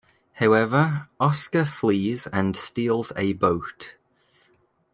However, Oscar flees and steals a boat.